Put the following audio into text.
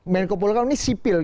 menko polukam ini sipil